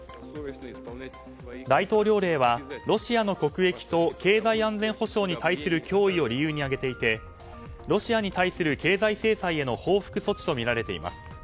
大統領令はロシアの国益と経済安全保障に対する脅威を理由に挙げていてロシアに対する経済制裁への報復措置とみられています。